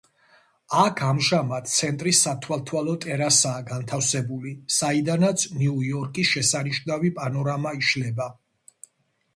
აქ ამჟამად ცენტრის სათვალთვალო ტერასაა განთავსებული, საიდანაც ნიუ-იორკის შესანიშნავი პანორამა იშლება.